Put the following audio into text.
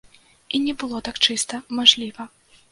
І не было так чыста, мажліва.